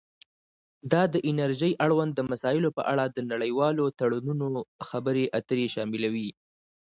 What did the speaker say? دا د انرژۍ اړوند مسایلو په اړه د نړیوالو تړونونو خبرې اترې شاملوي